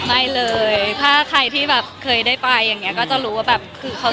ไม่เลยถ้าใครที่เคยไปอย่างเงี้ยก็จะรู้ว่าเขาสวยคุ้มมุมจริง